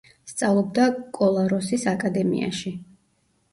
სწავლობდა კოლაროსის აკადემიაში.